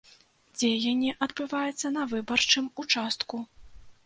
Дзеянне адбываецца на выбарчым участку.